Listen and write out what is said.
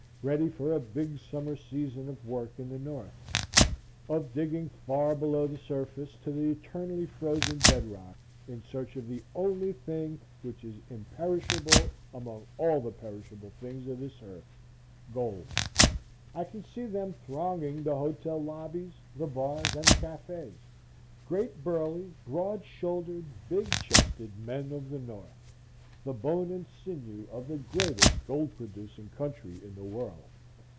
ready for a big summer's season of work in the north, of digging far below the surface to the eternally frozen bedrock, in search of the only thing which is imperishable among all the perishable things of this earth GOLD. I can see them thronging the hotel lobbies, the bars, and the cafes great, burly, broad shouldered, big chested men of the North the bone and sinew of the greatest gold producing country in the world.